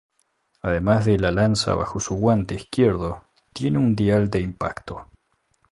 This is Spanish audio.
Además de la lanza bajo su guante izquierdo tiene un dial de impacto.